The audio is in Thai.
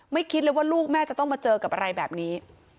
คิดเลยว่าลูกแม่จะต้องมาเจอกับอะไรแบบนี้